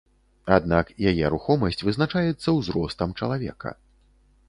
Аднак, яе рухомасць вызначаецца ўзростам чалавека.